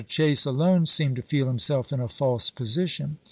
Chase alone seemed to feel himself in a false position.